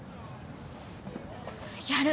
やる。